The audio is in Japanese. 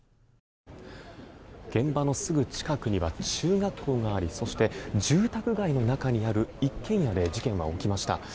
現場のすぐ近くには中学校がありそして、住宅街の中にある一軒家で事件は起きました。